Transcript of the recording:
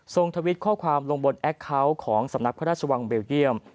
ทวิตข้อความลงบนแอคเคาน์ของสำนักพระราชวังเบลเยี่ยม